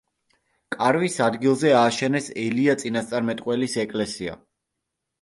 კარვის ადგილზე ააშენეს ელია წინასწარმეტყველის ეკლესია.